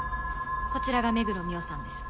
こちらが目黒澪さんです。